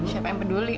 siapa yang peduli